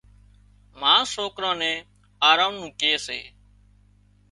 ما سوڪران نين آرام نُون ڪي سي